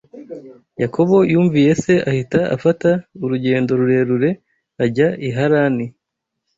Yakobo yumviye se, ahita afata urugendo rurerure ajya i Harani